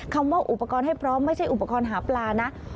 คำว่าอุปกรณ์ให้พร้อมไม่ใช่อุปกรณ์หาปลานะ